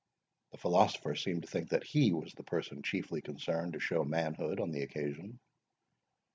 The philosopher seemed to think that he was the person chiefly concerned to show manhood on the occasion.